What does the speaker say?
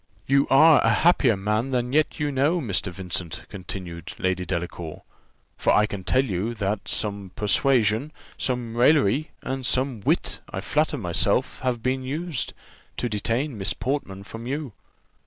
"You are a happier man than you yet know, Mr. Vincent," continued Lady Delacour; "for I can tell you, that some persuasion, some raillery, and some wit, I flatter myself, have been used, to detain Miss Portman from you."